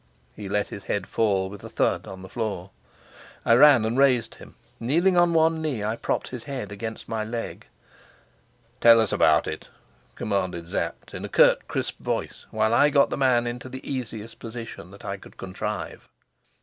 He let his head fall with a thud on the floor. I ran and raised him. Kneeling on one knee, I propped his head against my leg. "Tell us about it," commanded Sapt in a curt, crisp voice while I got the man into the easiest position that I could contrive.